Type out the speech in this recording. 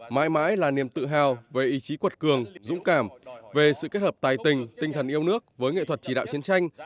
mãi mãi là niềm tự hào về ý chí quật cường dũng cảm về sự kết hợp tài tình tinh thần yêu nước với nghệ thuật chỉ đạo chiến tranh